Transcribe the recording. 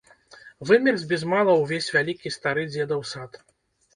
Вымерз без мала ўвесь вялікі стары дзедаў сад.